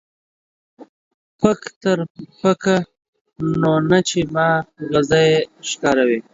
پک تر پکه، نو نه چې ما غزه يې ښکاره وي.